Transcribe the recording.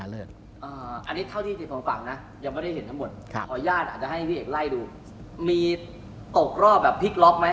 อย่างให้พี่เห็กไหล้ดูมีตกรอบแบบปลิกรอบไหม